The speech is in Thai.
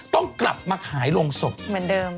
ต้องกลับมาขายโรงศพเหมือนเดิม